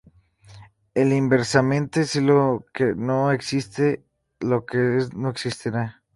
E inversamente, si lo que no es existe, lo que es no existirá.